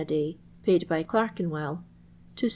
a day (paid by Clerkenwcll) to 7».